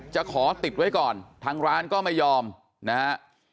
ขอติดไว้ก่อนทางร้านก็ไม่ยอมนะฮะ